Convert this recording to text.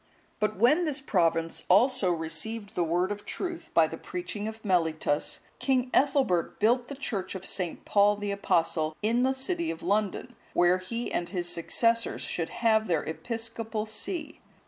But when this province also received the word of truth, by the preaching of Mellitus, King Ethelbert built the church of St. Paul the Apostle,(175) in the city of London, where he and his successors should have their episcopal see.